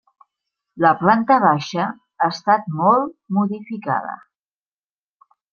La planta baixa ha estat molt modificada.